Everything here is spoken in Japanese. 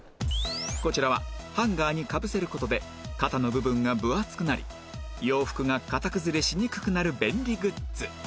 こちらはハンガーにかぶせる事で肩の部分が分厚くなり洋服が形崩れしにくくなる便利グッズ